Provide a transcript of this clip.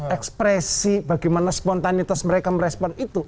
ekspresi bagaimana spontanitas mereka merespon itu